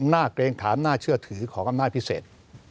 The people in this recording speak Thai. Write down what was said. น่าเกรงฐานน่าเชื่อถือของอำนาจพิเศษ